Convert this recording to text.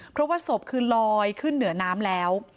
เพราะว่าศพคือลอยขึ้นเหนือน้ำแล้ว